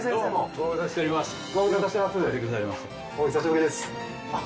お久しぶりです。